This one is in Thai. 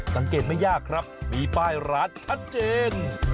สังเกตไม่ยากครับมีป้ายร้านชัดเจน